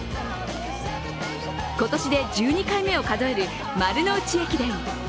今年で１２回目を数える丸の内駅伝。